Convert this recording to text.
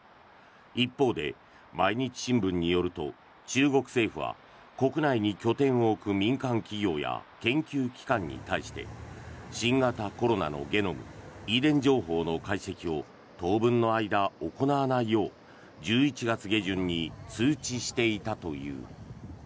一方で毎日新聞によると中国政府は国内に拠点を置く民間企業や研究機関に対して新型コロナのゲノム・遺伝情報の解析を当分の間、行わないよう１１月下旬に通知していたという。